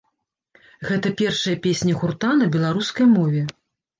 Гэта першая песня гурта на беларускай мове.